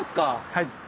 はい。